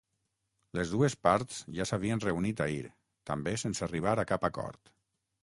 Les dues parts ja s’havien reunit ahir també sense arribar a cap acord.